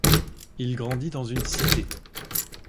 Il grandit dans une cité.